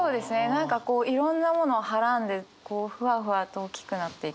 何かいろんなものをはらんでふわふわと大きくなっていくみたいな。